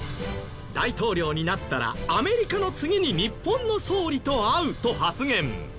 大統領になったらアメリカの次に日本の総理と会うと発言。